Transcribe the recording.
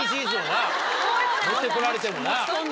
持ってこられてもな。